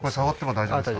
大丈夫です